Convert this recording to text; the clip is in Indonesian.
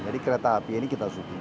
di kereta api ini kita subsidi